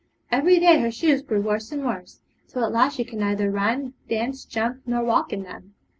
Every day her shoes grew worse and worse, till at last she could neither run, dance, jump, nor walk in them.